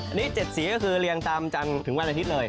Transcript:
อันนี้๗สีก็คือเรียงตามจันทร์ถึงวันอาทิตย์เลย